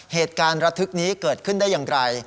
เหตุการณ์ระทึกนี้เกิดขึ้นได้อย่างไร